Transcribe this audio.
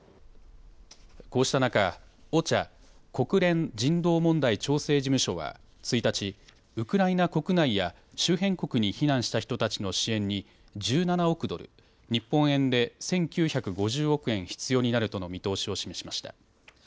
こうした中、ＯＣＨＡ・国連人道問題調整事務所は１日、ウクライナ国内や周辺国に避難した人たちの支援に１７億ドル、日本円で１９５０億円必要になるとの見通しを示しました。